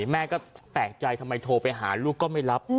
แม่ก็แปลกใจทำไมโทรไปหาลูกก็ไม่รับ